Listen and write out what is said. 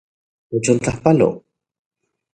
Techontlajpalo.